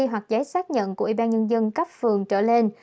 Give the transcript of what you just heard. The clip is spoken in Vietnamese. hoặc giấy xác nhận của ủy ban nhân dân cấp phường trở lên